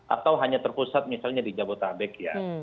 atau hanya terpusat misalnya di jabotabek ya